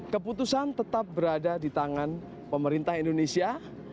keputusan tetap berada di tangan pemerintah indonesia